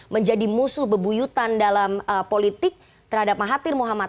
menjadi musuh bebuyutan dalam politik terhadap mahathir muhammad